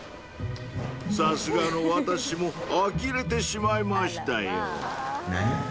さすがの私もあきれてしまいましたよ何？